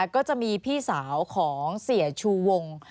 ก็จะมีพี่สาวของเสียชูวง